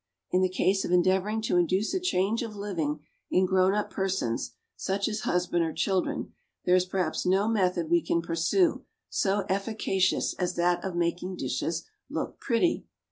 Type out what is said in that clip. In the case of endeavouring to induce a change of living in grown up persons, such as husband or children, there is perhaps no method we can pursue so efficacious as that of making dishes look pretty.